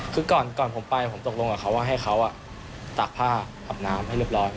คือก่อนผมไปผมตกลงกับเขาว่าให้เขาตากผ้าอาบน้ำให้เรียบร้อย